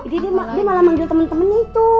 dia malah manggil temen temennya itu